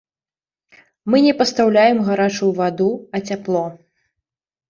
Мы не пастаўляем гарачую ваду, а цяпло.